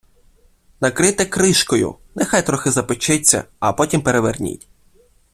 Накрийте кришкою, нехай трохи запечеться, а потім переверніть.